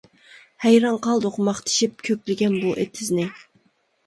ھەيران قالدۇق ماختىشىپ، كۆكلىگەن بۇ ئېتىزنى.